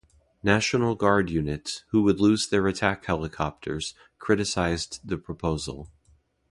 National Guard units, who would lose their attack helicopters, criticized the proposal.